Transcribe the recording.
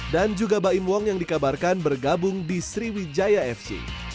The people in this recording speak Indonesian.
dan juga baim wong yang dikabarkan bergabung di sriwijaya fc